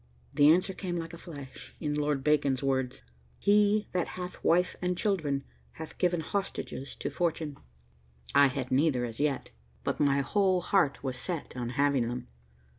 The answer came like a flash, in Lord Bacon's words, "He that hath wife and children, hath given hostages to fortune." I had neither as yet, but my whole heart was set on having them.